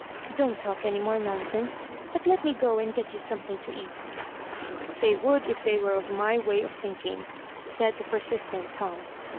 Don't talk any more nonsense, but let me go and get you something to eat" " Thej would if they were of my way of thinking," said the persistent Tom.